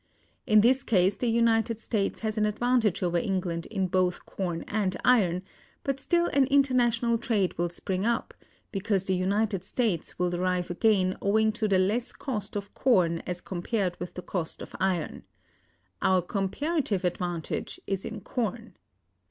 In this case the United States has an advantage over England in both corn and iron, but still an international trade will spring up, because the United States will derive a gain owing to the less cost of corn as compared with the cost of iron. Our comparative advantage is in corn.